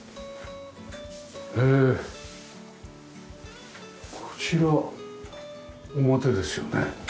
えこちら表ですよね？